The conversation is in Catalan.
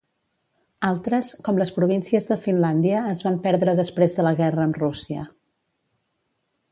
Altres, com les províncies de Finlàndia es van perdre després de la guerra amb Rússia.